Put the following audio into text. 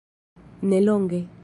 nelonge